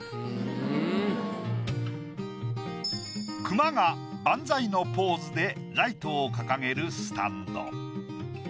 クマが万歳のポーズでライトを掲げるスタンド。